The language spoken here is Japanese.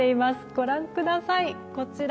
ご覧ください、こちら。